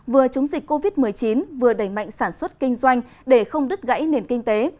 vừa chống dịch covid một mươi chín vừa đẩy mạnh sản xuất kinh doanh để không đứt gãy nền kinh tế